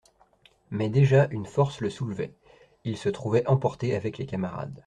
Mais déjà une force le soulevait, il se trouvait emporté avec les camarades.